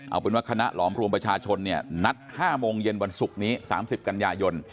เอาเป็นว่าคณะหลอมรวมประชาชนเนี่ยนัด๕โมงเย็นวันศุกร์นี้๓๐กันยายน